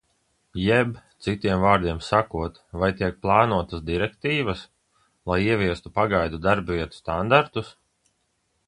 Jeb, citiem vārdiem sakot, vai tiek plānotas direktīvas, lai ieviestu pagaidu darbavietu standartus?